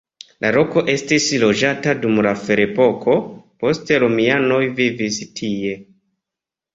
La loko estis loĝata dum la ferepoko, poste romianoj vivis tie.